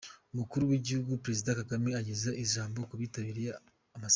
Umukuru w’Igihugu Perezida Kagame, ageza ijambo kubitabiriye amasengesho